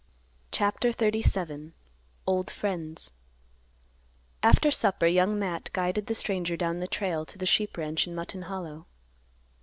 CHAPTER XXXVII. OLD FRIENDS. After supper Young Matt guided the stranger down the trail to the sheep ranch in Mutton Hollow.